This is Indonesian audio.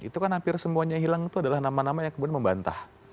itu kan hampir semuanya hilang itu adalah nama nama yang kemudian membantah